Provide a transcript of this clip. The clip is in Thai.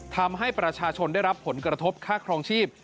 ทำให้ประชาชนได้รับผลกระทบค่าครองชีพ